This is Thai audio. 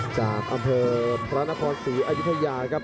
จากอำเภอพระนครศรีอายุทยาครับ